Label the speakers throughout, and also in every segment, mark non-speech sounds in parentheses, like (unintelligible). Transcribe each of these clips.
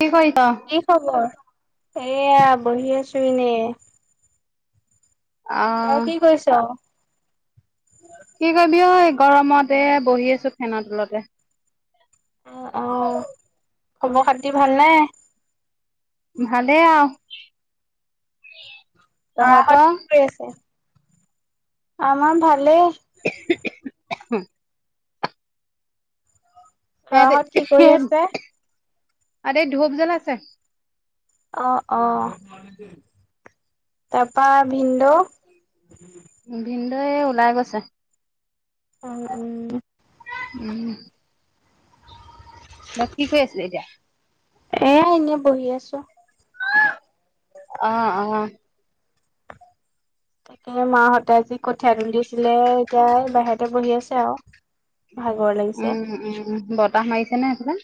Speaker 1: কি কৰিছ?
Speaker 2: কি খবৰ এয়া বহি আছো এনে। অ,
Speaker 1: আহ
Speaker 2: কি কৰিছ?
Speaker 1: কি কৰিবি অ, গৰমতে বহি আছো ফেনৰ তলতে।
Speaker 2: অ',
Speaker 1: কি
Speaker 2: অ',
Speaker 1: হ'ল।
Speaker 2: খবৰ খাতি ভাল নাই।
Speaker 1: ভালেই আৰু।
Speaker 2: লৰাহত
Speaker 1: তহঁতৰ
Speaker 2: কি কৰি আছে আমাৰ ভালে।
Speaker 1: (inaudible) ইতে,
Speaker 2: ল'ৰাহঁত কি কৰি আছে?
Speaker 1: ইতে ধূপ জ্বল আছে।
Speaker 2: অ', অ', তাৰ পৰা বিন্দু।
Speaker 1: ভিনদয়ে ওলাই গৈছে।
Speaker 2: উম উম।
Speaker 1: উম। বা কি কৰি আছিলে এতিয়া।
Speaker 2: এ এনেই বহি আছোঁ।
Speaker 1: কুউ অহ অহ।
Speaker 2: (unintelligible) তাকে মাহঁতে যি কঠীয়া তুলিছিলে এতিয়া বাহিৰতে বহি আছে আও।
Speaker 1: উম উম বতাহ মাৰিছে নে সেইফালে।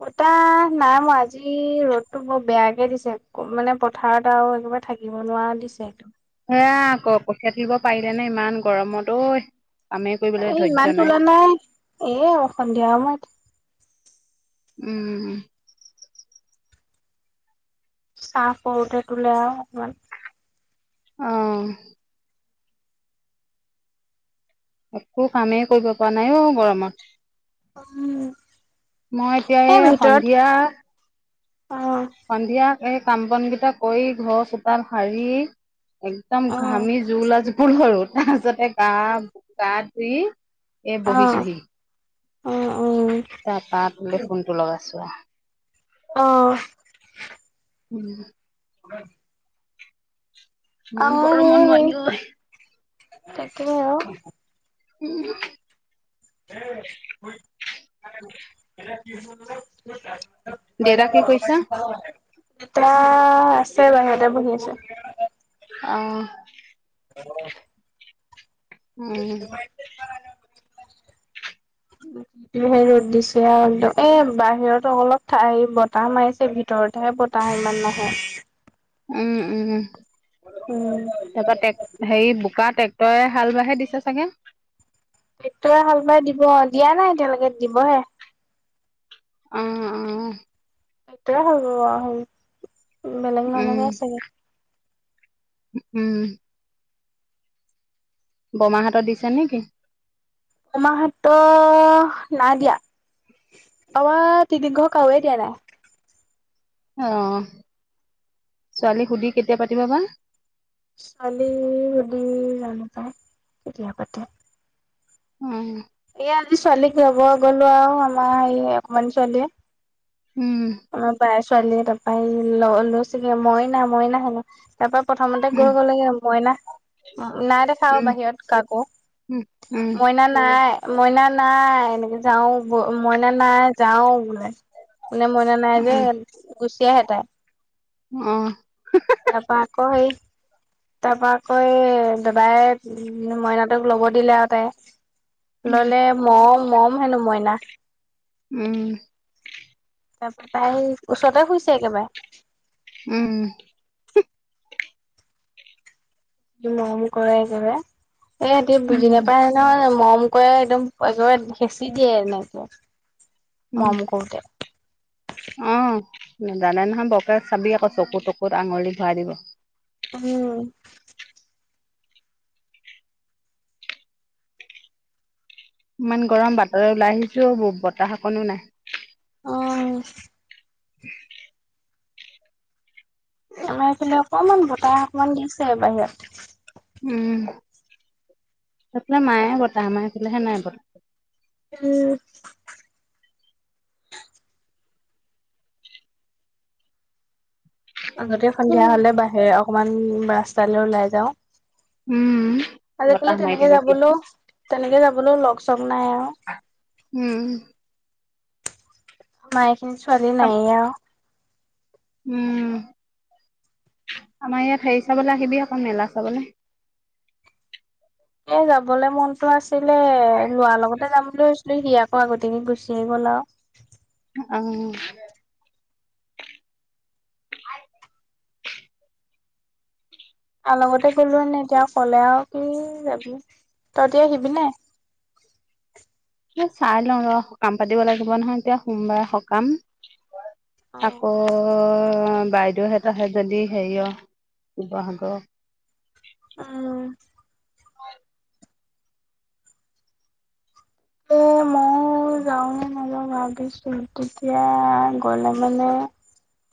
Speaker 2: বতাহ নাই মৰা আজি ৰ'দতটো বৰ বেয়াকে দিছে মানে পথাৰত আও। অহ একেবাৰে থাকিব নোৱাৰা দিছেটো।
Speaker 1: এয়া আকৌ কঠীয়া তুলিব পাৰিলে নে ইমান গৰমত ঐ। কামেই কৰিবলৈ
Speaker 2: এই ইমান
Speaker 1: ধৈৰ্য্য
Speaker 2: তোলা নাই এ সন্ধিয়া সময়ত।
Speaker 1: উম উম।
Speaker 2: চাহ কৰোতে তোলে আৰু অকমান
Speaker 1: আহ একো কামেই কৰিব পৰা নাই অ গৰমত
Speaker 2: উম
Speaker 1: মই এতিয়া এই সন্ধিয়া
Speaker 2: অ
Speaker 1: সন্ধিয়া এই কাম বন কেইটা কৰি ঘৰ চোতাল সাৰি একদম
Speaker 2: অ
Speaker 1: ঘামি জোৰোলা ফুল সৰু তাৰপিছতে গা গা ধুই এ
Speaker 2: অ
Speaker 1: বহিছোহি
Speaker 2: উ উম
Speaker 1: তাৰ পা তোলে ফোনটো লগাইছো
Speaker 2: অ
Speaker 1: উম
Speaker 2: উ
Speaker 1: ইমান
Speaker 2: আহ
Speaker 1: গৰমত
Speaker 2: সেই সেই
Speaker 1: নোৱাৰি ঐ
Speaker 2: তাকে আৰু
Speaker 1: উম
Speaker 2: এ কি মই
Speaker 1: দেউতা কি
Speaker 2: অ
Speaker 1: কৰিছা
Speaker 2: চ তা আছে বাৰু এটা বহি আছো
Speaker 1: আহ
Speaker 2: অ
Speaker 1: উম
Speaker 2: আ ধেৰ ৰ'দ দিছে আৰু এ বাহিৰতো অলপ ঠাই বতাহ মাৰিছে ঘৰতহে বতাহ ইমান নাহে
Speaker 1: উম উম
Speaker 2: উম
Speaker 1: তাৰপা হেৰি বোকাত ট্ৰেক্টৰে হাল বাইঢ়ে দিছে চাগে।
Speaker 2: টেক্টৰে হাল বাই দিব দিয়া নাই এতিয়ালৈকে দিবহে।
Speaker 1: উম, উম।
Speaker 2: টেক্টৰে হালবাব আহ হেই বেলেগ নলগাই চাগে।
Speaker 1: উম। বৰমাহঁতৰ দিছে নেকি?
Speaker 2: বৰমাহঁতৰ নাই দিয়া। আমাৰ তিনিঘৰ কাওৱে দিয় নাই।
Speaker 1: আহ ছোৱালীৰ সুধি কেতিয়া পাতিব বা
Speaker 2: ছোৱালী সুধি জানোঁ পায় কেতিয়া পাতে?
Speaker 1: উম।
Speaker 2: এই আজি ছোৱালীক ল'ব গলোঁ আৰু আমাৰ এই অকমাণি ছোৱালীয়ে।
Speaker 1: উম।
Speaker 2: আমাৰ বাই ছোৱালীয়ে তাৰপাই এই ল'ব লৈছিলোঁ। মইনা মইনা হেনেকে তাপা প্ৰথমতে গৈ গ'লেগে মইনা নাই দেখা আৰু
Speaker 1: উম
Speaker 2: বাহিৰত কাকো মইনা নাই মইনা নাই এনেকে যাও বো মইনা নাই যাও বোলে মানে মইনা নাই যে গুচি আহে তাই
Speaker 1: অ
Speaker 2: তাপা আকৌ সেই তাপা আকৌ সেই দাদাই মইনাটোক ল'ব দিলে আৰু তাই ললে মম মম হেনো মইনা
Speaker 1: উম
Speaker 2: তাপা তাই ওচৰতে শুইছে একেবাৰে
Speaker 1: উম
Speaker 2: মম কৰে কৰে একেবাই বুজি
Speaker 1: উম
Speaker 2: নাপায় নহয় মম মোকো একদম একেবাৰে হেঁচি দিয়ে এনেকে মৰম কৰোতে
Speaker 1: উম নাজানে নহয় বৰকে চাবি আকৌ চকু তকুত আঙুলি ভৰাই দিব
Speaker 2: উম
Speaker 1: ইমান গৰম বাতলে ওলাই আহিছো বতাহ অকনো নাই
Speaker 2: অ
Speaker 1: (inaudible)
Speaker 2: আমাৰ এইফালে অকনমান বতাহ অকমান দিছে বাহিৰত
Speaker 1: উম সেফালে মাৰে বতাহ আমাৰ ফালে হে নাই বত
Speaker 2: (inaudible) আগতে সন্ধিয়া হলে বাহিৰে অকমান ৰাস্তালৈ ওলাই যাওঁ
Speaker 1: উম
Speaker 2: আজিকালি
Speaker 1: বতাহ মাৰি
Speaker 2: তেনেকে
Speaker 1: থাকে কি
Speaker 2: যাবলৈও তেনেকে যাবলৈও লগ চগ নাই আৰু
Speaker 1: উম
Speaker 2: মায়খিনি ছোৱালী
Speaker 1: আম-
Speaker 2: নাইয়ে আৰু
Speaker 1: উম আমাৰ ইয়াত হেৰি চাবলৈ আহিবি অকণ মেলা চাবলে
Speaker 2: এ যাবলে মনতো আছিলে লোৰাৰ লগতে যাম লৈছিলো সি আকৌ আগতিয়া গুচি গ'ল আৰু
Speaker 1: অ (inaudible)
Speaker 2: আৰু লগতে গলো এনে এতিয়া ক'লে আৰু কি যাবি তহতি আহিবি নে (inaudible)
Speaker 1: এ চাই লওঁ ৰ কাম পাতিব লাগিব নহয় এতিয়া সোমবাৰে সকাম আকৌ অ বাইদেউহেতাহে যদি হেৰি অ শিৱসাগৰ
Speaker 2: উম
Speaker 1: হয়
Speaker 2: এ ম মই যাওঁনে নযাওঁ ভাবিছো তেতিয়া গলে মানে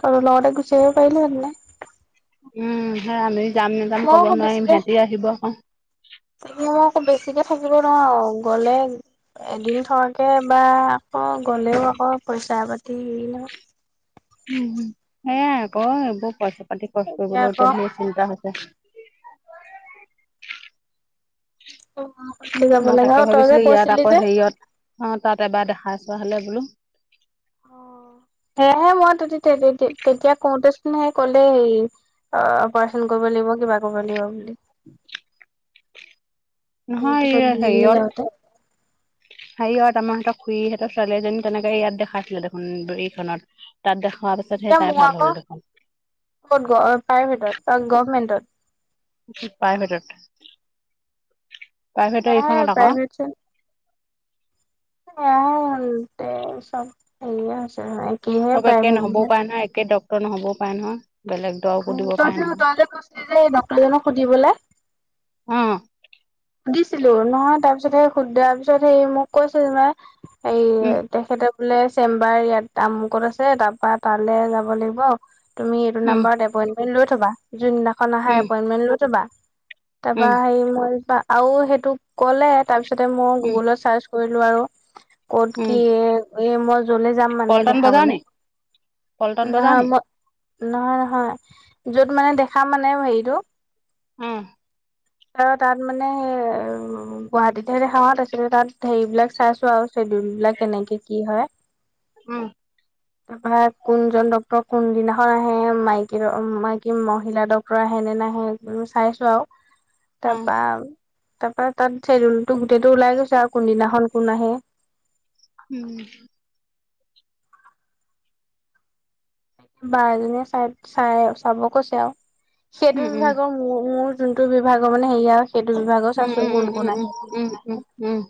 Speaker 2: তোৰ লগতে গুচি আহিব পাৰিলো হেতনে
Speaker 1: উম সে আমি যাম নেযাম ক'ব
Speaker 2: আকৌ
Speaker 1: নোৱাৰিম
Speaker 2: বেছিকে
Speaker 1: সিহঁতি আহিব আকৌ
Speaker 2: তাকে মই আকৌ বেছিকে থাকিব নোৱাৰো গ'লে এদিন থকাকে বা আকৌ গ'লেও অ পইচা পাতিৰ হিৰি ন
Speaker 1: উম সেয়াই আকৌ এইবোৰ পইচা পাতি খৰচ কৰিবলৈ এতিয়া ধৰ চিন্তা (unintelligible)
Speaker 2: বুলি যাব
Speaker 1: মই
Speaker 2: লাগে আৰু
Speaker 1: তাকে
Speaker 2: তই যে
Speaker 1: ভাবিছিলো ইয়াত
Speaker 2: কৈছিলি
Speaker 1: আকৌ
Speaker 2: যে
Speaker 1: হেৰিয়ত অ তাত এবাৰ দেখা আছে (unintelligible) বোলো
Speaker 2: অ সেয়হে মই তেতিয়া কওঁতেচোন সে ক'লে হে অ অপাৰেচন কৰিব (unintelligible)
Speaker 1: (inaudible)
Speaker 2: আমি পিছত
Speaker 1: নহয়
Speaker 2: দুজনী
Speaker 1: হেৰিয়ত,
Speaker 2: যাওঁতে
Speaker 1: হেৰিয়ত আমাৰ সিহত খুইী সহঁৰ ছোৱালীজনী তেনেকে ইয়াত দেখাইছিলে দেোন এইখনত তাত দেখুৱাৰ পিছতহে
Speaker 2: এতিয়া
Speaker 1: তাই
Speaker 2: মোৰ
Speaker 1: ভাল হ'ল
Speaker 2: আকৌ
Speaker 1: দেখোন
Speaker 2: কত প্ৰাইভেটত বা গভমেন্টত
Speaker 1: কি, প্ৰাইভেট প্ৰাইভেট
Speaker 2: এয়াহে
Speaker 1: এইখনত আকৌ
Speaker 2: প্ৰাইভেট (unintelligible) আছে
Speaker 1: হব একে নহবও পাৰে নহয়, একে ডক্তৰ নহবও পাৰে নহয় বেলেগ দৰবো দিব
Speaker 2: তই
Speaker 1: পাৰে
Speaker 2: যে
Speaker 1: নহয়।
Speaker 2: তই যে কৈছিলি যে ডক্টৰ জনক সুধিবলৈ
Speaker 1: উম
Speaker 2: দিছিলো নহয় তাৰপিছত সেই সুধাৰ পিছত সেই মোক কৈছিল মে এই
Speaker 1: উম,
Speaker 2: তেখেতৰ বোলে চেম্বাৰ ইয়াত আমুকত আছে তাৰ পৰা তালে যাব লাগিব তুমি এইটো
Speaker 1: উম,
Speaker 2: নাম্বৰত এপইণ্টমেণ্ট লৈ থবা, যোনদিনাখন আহা
Speaker 1: উম,
Speaker 2: এপইণ্টমেণ্ট লৈ থবা। তাৰপা
Speaker 1: উম,
Speaker 2: হে মই আৰু সেইটো ক'লে তাৰপিছতে মই
Speaker 1: উম।
Speaker 2: গুগুলত চাৰ্চ কৰিলো আৰু ক'ত কি এই মই জলে যাম মানে
Speaker 1: পল্টন বজাৰ
Speaker 2: দেখাবলে
Speaker 1: নি পল্টন
Speaker 2: নহ
Speaker 1: বজাৰ নি
Speaker 2: মই নহয়, নহয় যত মানে দেখা মানে হেৰিটো
Speaker 1: উম
Speaker 2: অ', তাত ম মানে স উ গুৱাহাটীত হে দেখাও আছিলে তাত হেৰি বিলাক চাইছো আৰু চেডিউল বিলাক কেনেকে কি হয়
Speaker 1: উম।
Speaker 2: তাৰপৰা কোনজন ড্ক্তৰ কোনদিনাখন আহে মাইকী মাইকী মহিলা ডক্তৰ আহে সেনে ন সে চাইছো আৰু
Speaker 1: অ
Speaker 2: তাৰ পৰা তাৰ পৰাৰা তাত চেডিউলটো গোটেইটো ওলাই গৈছে আৰু কোনদিনাখন কোন আহে
Speaker 1: উম।
Speaker 2: বা এজনীয়ে চাই, চাই চাব কৈছে আৰু
Speaker 1: উম
Speaker 2: সেইটো বিভাগৰ মোৰ, মোৰ যোনটো বিভাগৰ মানে হেৰি আৰু সেইটো বিভাগৰ
Speaker 1: উম উম
Speaker 2: চাইছো কোন, কোন
Speaker 1: উম উম
Speaker 2: আহে কোন
Speaker 1: উম
Speaker 2: কোন
Speaker 1: উম
Speaker 2: নাহে
Speaker 1: উম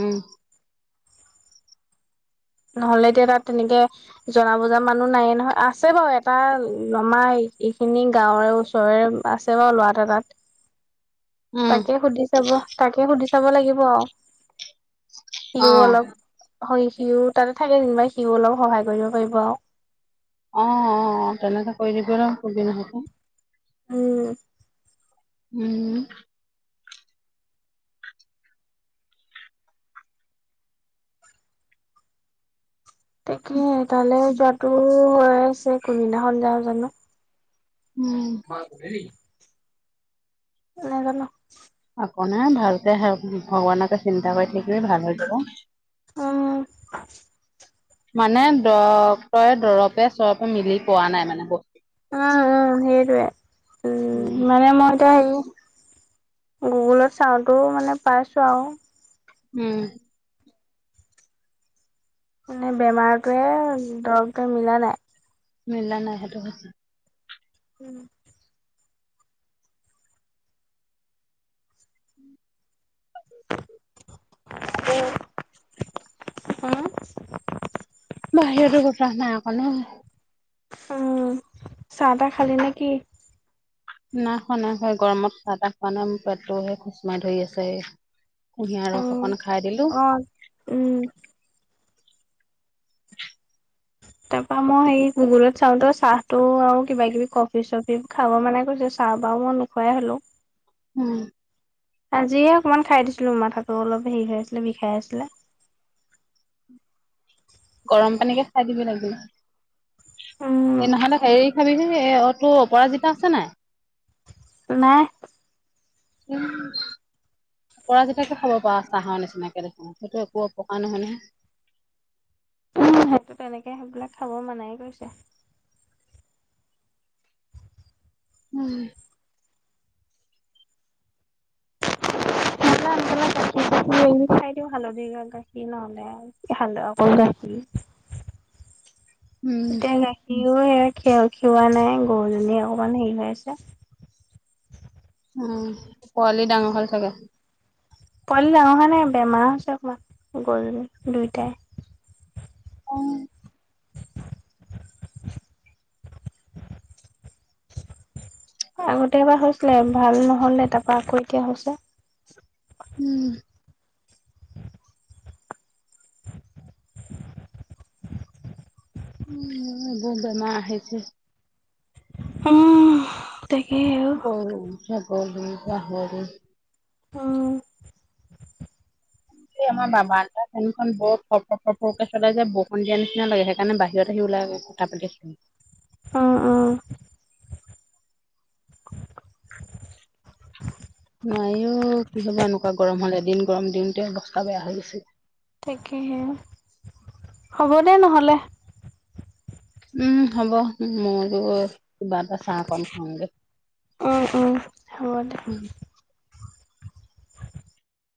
Speaker 1: উম
Speaker 2: নহ'লে এতিয়া তাত তেনেকে জনা বুজা মানুহ নাইে নহয় আছে বাৰু এটা নমাই এইখিনি গাঁৱৰে ওচৰেৰে আছে বাৰু ল'ৰাট তাত
Speaker 1: উম
Speaker 2: তাকে সুধি চাব, তাকে সুধি চাব লাগিব আৰু সিও
Speaker 1: অ
Speaker 2: অলপ হয় সিও তাতে থাকে যেনিবা সিও অলপ সহায় কৰিব পাৰিব আৰু
Speaker 1: অ', অ', অ', তেনেকে কৰি দিব আৰু (unintelligible)
Speaker 2: উম।
Speaker 1: উম।
Speaker 2: তাকে তালে যোৱাাতটো হৈ আছে কোনবিদিনাখনল যাওঁ জানো
Speaker 1: উম
Speaker 2: ন গ (unintelligible)
Speaker 1: ভালকে ভগৱানকে চিন্তা কৰি থাকিলে ভাল হৈ যাব
Speaker 2: উম
Speaker 1: মানে ডক্টৰে দৰপে চৰপে মিলি পোৱা নাই মানে বস্তু
Speaker 2: উম, উম সেইটোৱে উ
Speaker 1: উম
Speaker 2: মানে মই এতিয়া হেৰি গুগুলত চাওঁতেও মানে পাইছো আৰু
Speaker 1: উম।
Speaker 2: মানে বেমাৰটোৱে দৰৱটোৱে মিলা নাই
Speaker 1: মিলা নাই সেইটো হৈছে
Speaker 2: (unintelligible)
Speaker 1: উম।
Speaker 2: হা।
Speaker 1: বাহিৰতো বতাহ নাই অকনো।
Speaker 2: অ', চাহ-তাহ খালি নেকি?
Speaker 1: নাই খোৱা, নাই খোৱা। এই গৰমত চাহ-তাহ খোৱা নাই। মো পেতটোহে খোচ মাই ধৰি আছে। কুঁহিয়াৰ
Speaker 2: অ
Speaker 1: ৰস অকন খাই দিলো।
Speaker 2: উম (inaudible) তাৰপা মই সেই গুগুলত চাওতে চাহটো আৰু কিবা-কিবি কফি-চফি খাব মানা কৰিছে। চাহ বা অ', মই নোখোৱাই হ'লো।
Speaker 1: উম।
Speaker 2: আজিহে অকমান খাই দিছিলো, মাথাতো অলপ হেৰি হৈ আছিলে বিষাই আছিলে।
Speaker 1: গৰম পানীকে খাই দিব লাগিব।
Speaker 2: উম
Speaker 1: এ নহ'লে হেৰি খাবি হে এ, অ', তোৰ অপৰাজিতা আছেনে নাই?
Speaker 2: নাই।
Speaker 1: উম। পৰাজিতাকে খাব পাৰ চাহৰ নিচিনাকে দেখোন। সেইটো একো অপকাৰ নহয়, নহয়।
Speaker 2: সেইটো তেনেকে সেইবিলাক খাব মানায়ে কৰিছে।
Speaker 1: উম।
Speaker 2: (unintelligible) গাখিৰ-চাখিৰ বোৰ খাই দিওঁ। হালধিৰ গাখীৰ নহ'লে (unintelligible) গাখীৰ।
Speaker 1: উম
Speaker 2: এতিয়া গাখি সিওৱায়ে (unintelligible) সিওৱা নাই গৰুজনী, অকমান হেৰি হৈ আছে।
Speaker 1: উম, পোৱালি ডাঙৰ হ'ল চাগে।
Speaker 2: পোৱালি ডাঙৰ হোৱা নাই। বেমাৰ হৈছে অকণমান, গৰুজনী, দুইটাই
Speaker 1: অ'।
Speaker 2: (inaudible) আগতে এবাৰ হৈছিলে ভাল নহ'লে, তাপা আকৌ এতিয়া হৈছে।
Speaker 1: উম। উম, বহু বেমাৰ আহিছে।
Speaker 2: অ', তাকেই আও।
Speaker 1: (unintelligible)
Speaker 2: অ'।
Speaker 1: এ আমাৰ বা-বাৰান্দা ফেনখন বৰ ফ-ফ-ফ-ৰকে চলে যে, বৰষুন দিয়া নিচিনা লাগে। সেকাৰণে বাহিৰত আহি ওলাই গ কথা পাতিছো।
Speaker 2: অ', অ'।
Speaker 1: নাইও, কি হব এনেকুৱা গৰম হ'লে? এদিন গৰম দিওঁতে অৱসস্থা বেয়া হৈ গৈছে।
Speaker 2: তাকেহে, হ'বদে নহ'লে।
Speaker 1: উম, হ'ব ময়ো কিবা এটা চাহ অকণ খাওঁগে।
Speaker 2: উম, উম, হ'বদে।
Speaker 1: উম